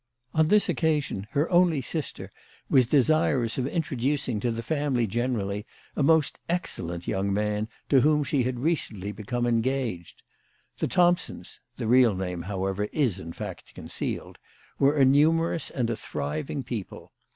On this occasion her only sister was desirous of introducing to the family generally a most excellent young man to whom she had recently become engaged. The Thompsons, the real name, however, is in fact concealed, were a numerous and a thriving people.